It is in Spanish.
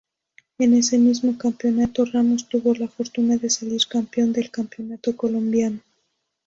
En ese mismo campeonato, Ramos tuvo la fortuna de salir campeón del campeonato colombiano.